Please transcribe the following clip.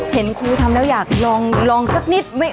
เห็นครูทำแล้วอยากลองสักนิด